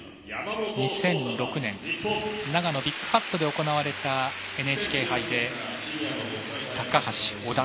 ２００６年長野ビッグハットで行われたＮＨＫ杯で高橋、織田、